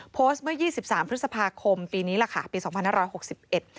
โพสต์เมื่อยี่สิบสามพฤษภาคมปีนี้แหละค่ะปีสองพันห้าร้อยหกสิบเอ็ด